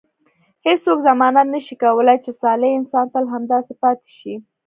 هیڅوک ضمانت نه شي کولای چې صالح انسان تل همداسې پاتې شي.